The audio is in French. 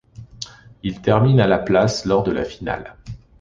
Ils terminent à la place lors de la finale.